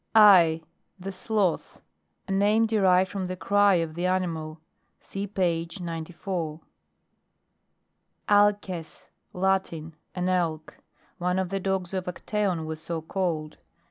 Ar. The sloth a mine derived from the cry of the animal. (See p. 94 ) ALCES. Latin, an Elk, one of the dogs of Acteon was so called.